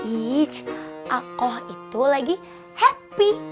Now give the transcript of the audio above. ij aku itu lagi happy